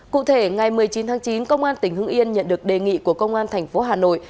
cụ thể ngày một mươi chín tháng chín công an tỉnh hưng yên nhận được đề nghị của công an thành phố hà nội